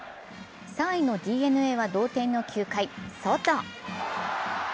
３位のＤｅＮＡは同点の９回、ソト。